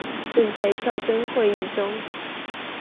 正在跳針會議中